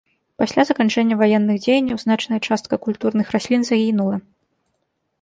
Пасля заканчэння ваенных дзеянняў значная частка культурных раслін загінула.